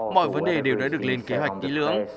mọi vấn đề đều đã được lên kế hoạch kỹ lưỡng